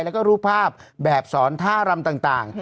แล้วก็รูปภาพแบบสอนท่ารำต่าง